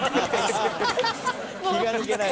「気が抜けない。